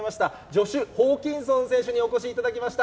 ジョシュ・ホーキンソン選手にお越しいただきました。